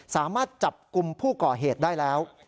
สามารถจับกลุ่มผู้ก่อเหตุได้แล้ว